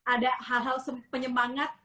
ada hal hal penyemangat